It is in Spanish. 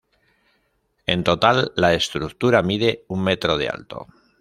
En total, la estructura mide un metro de alto.